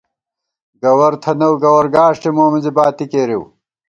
گوَر تھنَؤ ، گوَر گاݭٹے مو مِنزِی باتی کېرِؤ